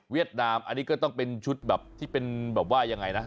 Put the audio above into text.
นามอันนี้ก็ต้องเป็นชุดแบบที่เป็นแบบว่ายังไงนะ